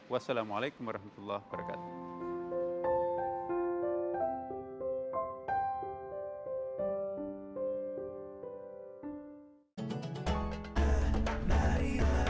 wassalamualaikum warahmatullahi wabarakatuh